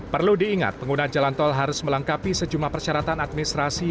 perlu diingat pengguna jalan tol harus melengkapi sejumlah persyaratan administrasi